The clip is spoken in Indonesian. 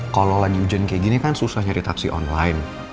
kalau lagi hujan kayak gini kan susah nyari taksi online